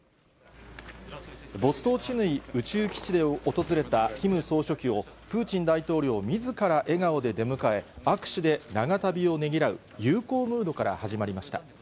ボストーチヌイ宇宙基地を訪れたキム総書記をプーチン大統領みずから笑顔で出迎え、握手で長旅をねぎらう友好ムードから始まりました。